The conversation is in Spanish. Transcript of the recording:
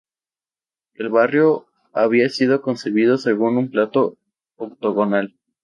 El barrio había sido concebido según un plano octogonal.